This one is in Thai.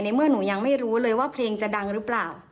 เมื่อหนูยังไม่รู้เลยว่าเพลงจะดังหรือเปล่า